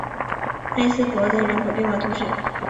埃斯珀泽人口变化图示